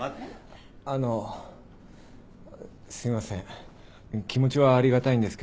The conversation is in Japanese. あのうすみません気持ちはありがたいんですけど。